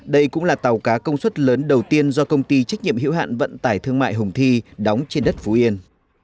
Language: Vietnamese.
đây cũng là tàu cá công suất lớn đầu tiên do công ty trách nhiệm hiệu hạn vận tải thương mại hùng thi đóng trên đất phú yên